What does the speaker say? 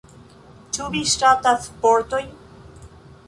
Ĉu vi ŝatas sportojn?